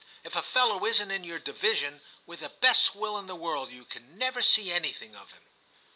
If a fellow isn't in your division, with the best will in the world you can never see anything of him.'